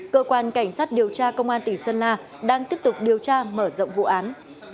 cơ quan cảnh sát điều tra công an tỉnh sơn la đang tiếp tục điều tra mở rộng vụ án